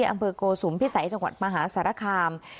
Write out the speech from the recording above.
ที่อังเบอร์โกสุมภิษัยจังหวัดมหาศรษภาคาร์ม